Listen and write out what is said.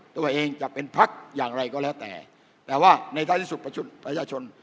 ตัวเองจะเป็นพักอย่างไรก็แล้วแต่แต่ว่าในท้ายที่สุดประชุดประชาชน